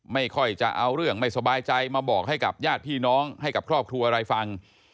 ไม่ค่อยจะเอาเรื่องไม่สบายใจมาบอกให้กับญาติพี่น้องให้กับครอบครัวอะไรฟัง